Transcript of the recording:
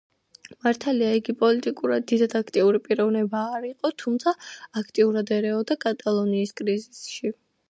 მართალია, იგი პოლიტიკურად დიდად აქტიური პიროვნება არ იყო, თუმცა აქტიურად ერეოდა კატალონიის კრიზისში.